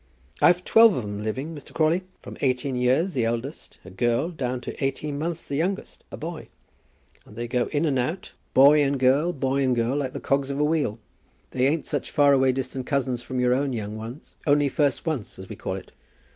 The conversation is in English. "I've twelve of 'em living, Mr. Crawley, from eighteen years, the eldest, a girl, down to eighteen months the youngest, a boy, and they go in and out, boy and girl, boy and girl, like the cogs of a wheel. They ain't such far away distant cousins from your own young ones only first, once, as we call it."